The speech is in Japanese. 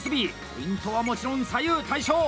ポイントは、もちろん左右対称。